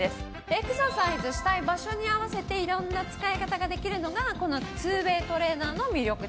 エクササイズしたい場所に合わせて色んな使い方ができるのがこの２ＷＡＹトレーナーの魅力ですね。